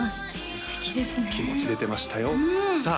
素敵ですね気持ち出てましたよさあ